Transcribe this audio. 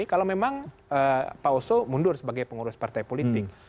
kalau memang pak oso mundur sebagai pengurus partai politik